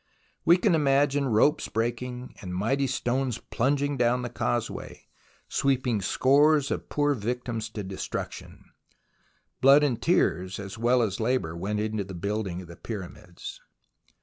We can imagine ropes breaking, and mighty stones plunging down the causeway, sweeping scores of poor victims to destruction. Blood and tears as well as labour went to the building of the Pyramids.